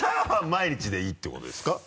毎日でいいってことですか？